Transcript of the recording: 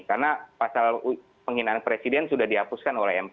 karena pasal penghinaan presiden sudah dihapuskan oleh mk